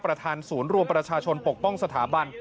ประธานศูนย์รวมประชาชนปกป้องสถาบัน